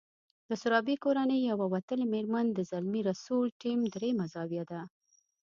د سرابي کورنۍ يوه وتلې مېرمن د زلمي رسول ټیم درېيمه زاویه ده.